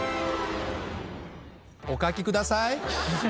お書きください。